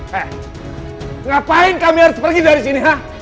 hei ngapain kami harus pergi dari sini